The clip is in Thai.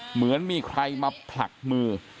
เหมือนมีใครมาผลักมือ